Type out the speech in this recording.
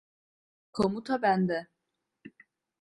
Komuta bende.